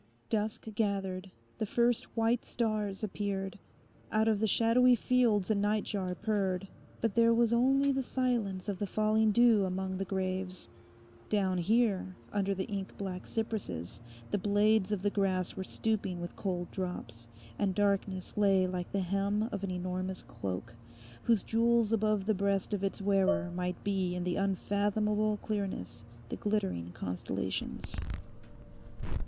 Dusk gathered; the first white stars appeared; out of the shadowy fields a nightjar purred. But there was only the silence of the falling dew among the graves. Down here, under the ink black cypresses, the blades of the grass were stooping with cold drops; and darkness lay like the hem of an enormous cloak, whose jewels above the breast of its wearer might be in the unfathomable clearness the glittering constellations....